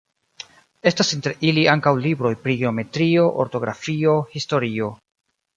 Estas inter ili ankaŭ libroj pri geometrio, ortografio, historio.